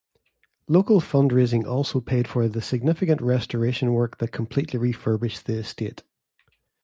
Local fundraising also paid for the significant restoration work that completely refurbished the estate.